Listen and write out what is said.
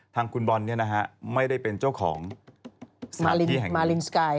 ทางคุณบอลเนี่ยนะฮะไม่ได้เป็นเจ้าของสถานที่แห่งนี้